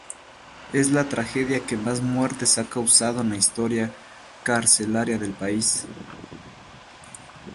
Es la tragedia que más muertes ha causado en la historia carcelaria del país.